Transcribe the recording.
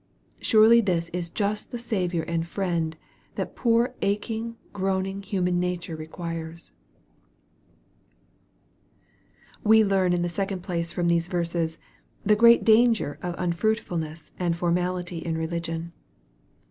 Surely this is just the Saviour and Friend that poor aching, groaning, human nature requires J We learn, in the second place, from these verses, the great danger of unfruitfulness and formality in religion.